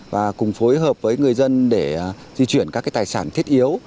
và cùng phối hợp với người dân để di chuyển các tài sản thiết yếu